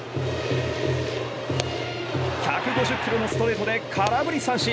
１５０キロのストレートで空振り三振。